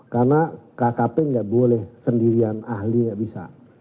karena kkp gak boleh sendirian ahli gak bisa